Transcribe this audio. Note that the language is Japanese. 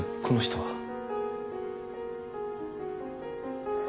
この人は？